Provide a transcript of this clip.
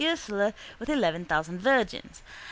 Ursula with eleven thousand virgins.